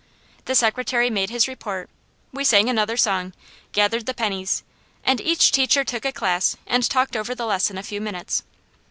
The secretary made his report, we sang another song, gathered the pennies, and each teacher took a class and talked over the lesson a few minutes.